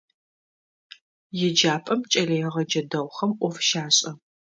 Еджапӏэм кӏэлэегъэджэ дэгъухэм ӏоф щашӏэ.